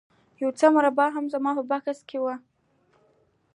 یو څه مربا هم زما په بکس کې وه